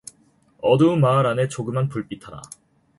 어두운 마을 안에 조그만 불빛 하나